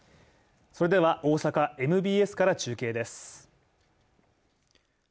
それでは、大阪ＭＢＳから中継です。